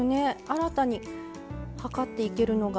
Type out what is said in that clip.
新たに量っていけるのが。